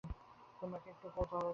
তোমার কি একটু কৌতুহলও হচ্ছে না?